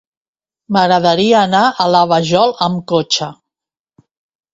M'agradaria anar a la Vajol amb cotxe.